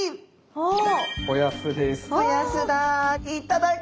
あっ。